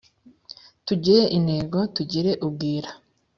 tugire intego tugire ubwira